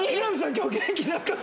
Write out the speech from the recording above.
今日元気なかった。